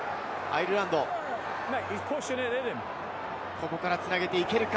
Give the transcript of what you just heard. ここから繋げていけるか？